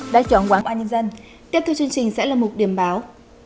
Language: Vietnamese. đã chọn quảng bình tiếp theo chương trình sẽ là một điểm báo